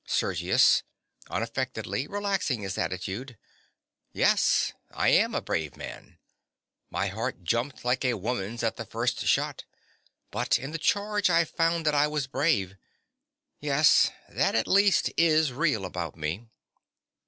SERGIUS. (unaffectedly, relaxing his attitude). Yes: I am a brave man. My heart jumped like a woman's at the first shot; but in the charge I found that I was brave. Yes: that at least is real about me.